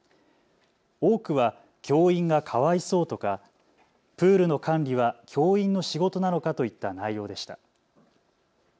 多くは教員がかわいそうとかプールの管理は教員の仕事なのかといった内容でした。